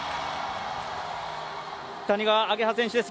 谷川亜華葉選手です